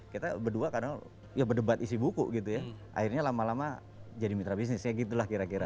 kita berdua kadang ya berdebat isi buku gitu ya akhirnya lama lama jadi mitra bisnisnya gitu lah kira kira